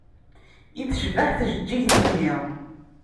I tecbeḥ tjeǧǧigt-nni!